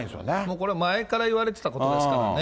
これ前からいわれてたことですからね。